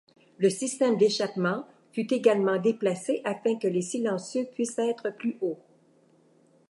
Le système d'échappement fut également déplacé afin que les silencieux puissent être plus haut.